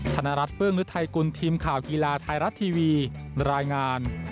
ธนรัฐเฟื่องฤทัยกุลทีมข่าวกีฬาไทยรัฐทีวีรายงาน